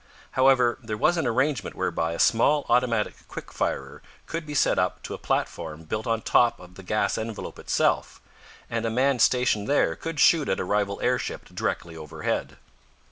However, there was an arrangement whereby a small automatic quick firer could be sent up to a platform built on top of the gas envelope itself, and a man stationed there could shoot at a rival airship directly overhead.